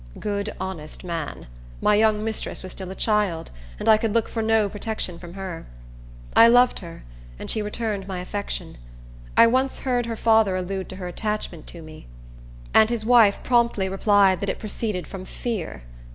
Good, honest man! My young mistress was still a child, and I could look for no protection from her. I loved her, and she returned my affection. I once heard her father allude to her attachment to me, and his wife promptly replied that it proceeded from fear.